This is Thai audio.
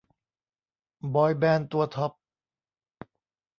บอยแบนด์ตัวท็อป